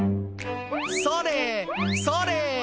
「それそれ」